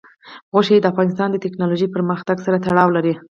غوښې د افغانستان د تکنالوژۍ پرمختګ سره تړاو لري.